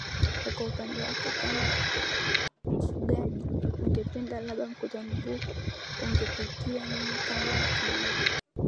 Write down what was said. na kwa upande wako kama mufugaji ungependa labda mkutano huu ungewapatia nini kama matumaini